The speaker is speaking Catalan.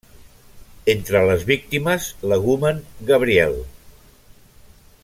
Entre les víctimes, l'hegumen Gabriel.